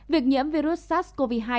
việc nhiễm virus sars cov hai